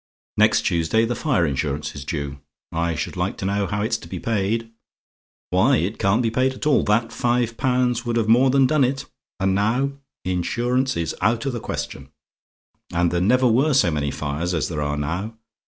"Next Tuesday the fire insurance is due. I should like to know how it's to be paid? Why, it can't be paid at all! That five pounds would have more than done it and now, insurance is out of the question. And there never were so many fires as there are now.